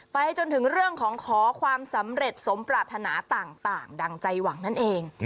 ไปจนถึงเรื่องของขอความสำเร็จสมปรารถนาต่างดั่งใจหวังนั่นเอง